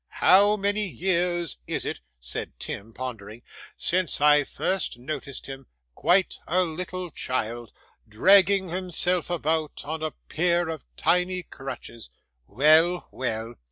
How many years is it,' said Tim, pondering, 'since I first noticed him, quite a little child, dragging himself about on a pair of tiny crutches? Well! Well!